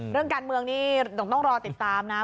เรื่องการเมืองนี่ต้องรอติดตามนะ